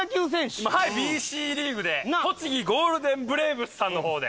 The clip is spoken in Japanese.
はいＢＣリーグで栃木ゴールデンブレーブスさんの方で。